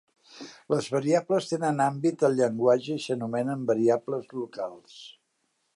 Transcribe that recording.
Les variables tenen àmbit al llenguatge i s'anomenen "variables locals".